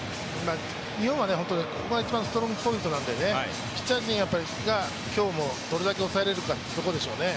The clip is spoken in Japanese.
日本はここが一番ストロングポイントなんでねピッチャー陣が今日もどれだけ抑えられるかというところでしょうね。